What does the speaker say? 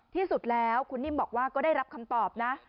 ที่สุดแล้วคุณนิ่มบอกว่าก็ได้รับคำตอบนะ